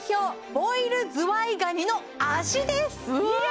ボイルズワイガニの脚ですいや！